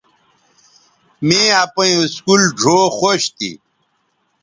می اپئیں اسکول ڙھؤ خوش تھی